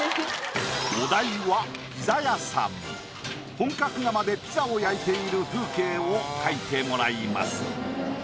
本格窯でピザを焼いている風景を描いてもらいます。